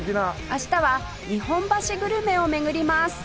明日は日本橋グルメを巡ります